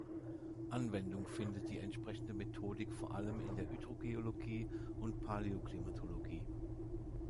Anwendung findet die entsprechende Methodik vor allem in der Hydrogeologie und Paläoklimatologie.